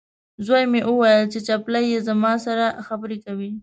زوی مې وویلې، چې چپلۍ یې زما سره خبرې کوي.